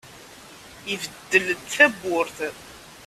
Ibeddel-d tawwurt.